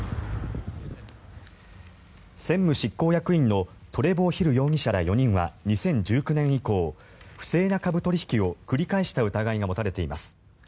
専務執行役員のトレボー・ヒル容疑者ら４人は２０１９年以降不正な株取引を繰り返した疑いが持たれています。